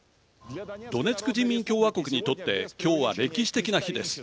ドネツク人民共和国にとって今日は歴史的な日です。